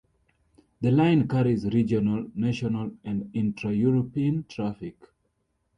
The line carries regional, national, and intra-European traffic.